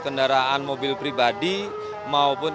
kendaraan mobil pribadi maupun